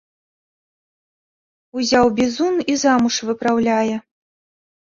Узяў бізун і замуж выпраўляе.